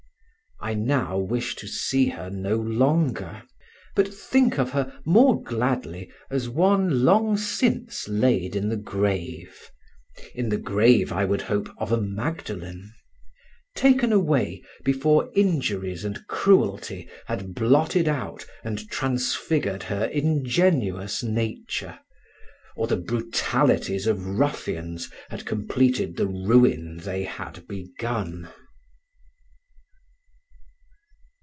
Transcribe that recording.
I now wish to see her no longer; but think of her, more gladly, as one long since laid in the grave—in the grave, I would hope, of a Magdalen; taken away, before injuries and cruelty had blotted out and transfigured her ingenuous nature, or the brutalities of ruffians had completed the ruin they had begun.